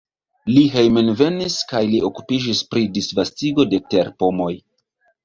Li hejmenvenis kaj li okupiĝis pri disvastigo de terpomoj.